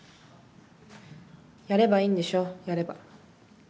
やればいいんでしょやれば。